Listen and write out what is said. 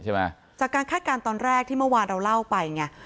จากการคาดการณ์ตอนแรกที่เมื่อวานเราเล่าไปไง